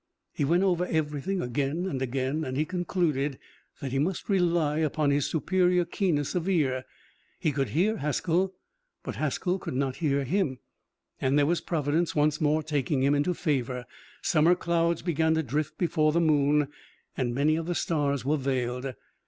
He went over everything again and again and he concluded that he must rely upon his superior keenness of ear. He could hear Haskell, but Haskell could not hear him, and there was Providence once more taking him into favor. Summer clouds began to drift before the moon, and many of the stars were veiled.